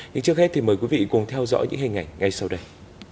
nhưng trước hết thì mời quý vị cùng theo dõi những hình ảnh ngay sau đây